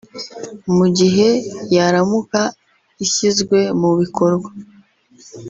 mu gihe yaramuka ishyizwe mu bikorwa